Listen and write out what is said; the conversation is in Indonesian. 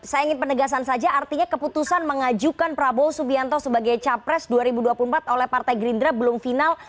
saya ingin penegasan saja artinya keputusan mengajukan prabowo subianto sebagai capres dua ribu dua puluh empat oleh partai gerindra belum final